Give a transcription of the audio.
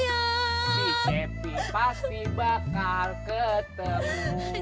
si cepi pasti bakal ketemu